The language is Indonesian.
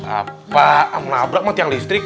apa menabrak tiang listrik